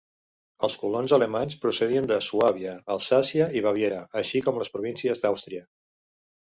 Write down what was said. Els colons alemanys procedien de Suàbia, Alsàcia i Baviera, així com les províncies d'Àustria.